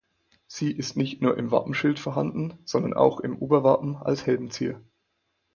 Sie ist nicht nur im Wappenschild vorhanden, sondern auch im Oberwappen als Helmzier.